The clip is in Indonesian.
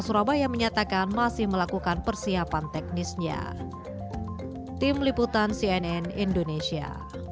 surabaya menyatakan masih melakukan persiapan teknisnya tim liputan cnn indonesia